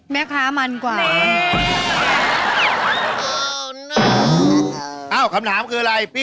แม่ค้ามันกว่าอ้าวคำถามคืออะไร